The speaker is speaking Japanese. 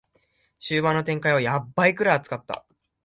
終盤の展開はヤバいくらい熱かった